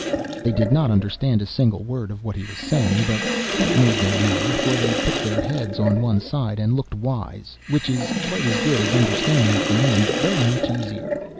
They did not understand a single word of what he was saying, but that made no matter, for they put their heads on one side, and looked wise, which is quite as good as understanding a thing, and very much easier.